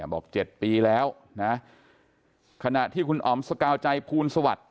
บอก๗ปีแล้วนะขณะที่คุณอ๋อมสกาวใจภูลสวัสดิ